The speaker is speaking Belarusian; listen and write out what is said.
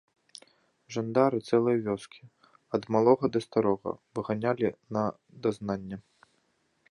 Жандары цэлыя вёскі, ад малога да старога, выганялі на дазнанне.